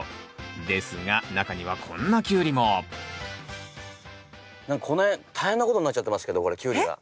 ですが中にはこんなキュウリもこの辺大変なことになっちゃってますけどこれキュウリが。